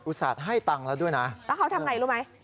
ส่าห์ให้ตังค์แล้วด้วยนะแล้วเขาทำไงรู้ไหม